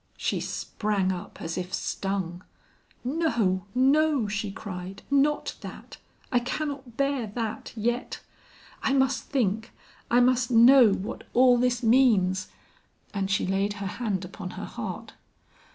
She sprang up as if stung. "No, no," she cried, "not that; I cannot bear that yet. I must think, I must know what all this means," and she laid her hand upon her heart.